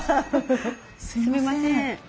すいません。